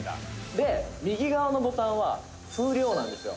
「で、右側のボタンは風量なんですよ」